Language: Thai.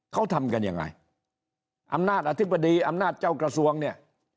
เขาทำกันยังไงอำนาจอธิบดีอำนาจเจ้ากระทรวงเนี่ย